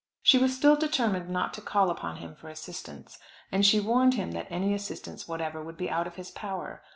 She was still determined not to call upon him for assistance; and she warned him that any assistance whatever would be out of his power.